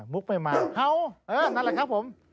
ไปมาเฮ้าเออนั่นแหละครับผม